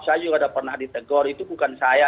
saya juga pernah ditegur itu bukan saya